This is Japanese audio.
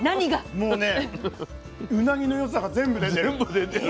もうねうなぎの良さが全部出てる。